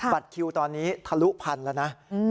บัตรคิวตอนนี้ทะลุพันแล้วนะ